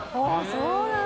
そうなんだ。